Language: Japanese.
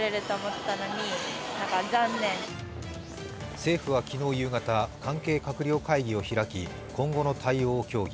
政府は昨日夕方、関係閣僚会議を開き、今後の対応を協議。